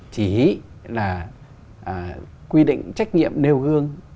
chỉ là quy định trách nhiệm nêu gương